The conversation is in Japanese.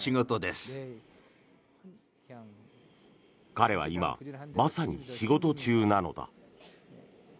彼は今、まさに仕事中なのだ。